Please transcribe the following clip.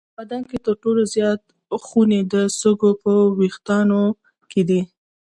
په بدن کې تر ټولو زیات خونې د سږو په وېښتانو کې دي.